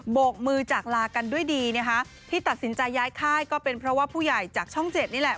กมือจากลากันด้วยดีนะคะที่ตัดสินใจย้ายค่ายก็เป็นเพราะว่าผู้ใหญ่จากช่องเจ็ดนี่แหละ